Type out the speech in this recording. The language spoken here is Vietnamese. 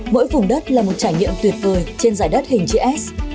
mỗi vùng đất là một trải nghiệm tuyệt vời trên giải đất hình chữ s